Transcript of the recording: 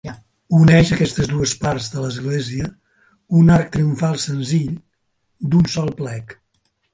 Uneix aquestes dues parts de l'església un arc triomfal senzill, d'un sol plec.